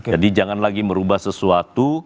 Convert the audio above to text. jadi jangan lagi merubah sesuatu